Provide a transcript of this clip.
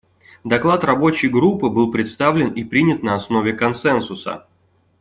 Доклад Рабочей группы был представлен и принят на основе консенсуса.